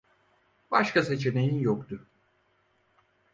Başka seçeneğin yoktu.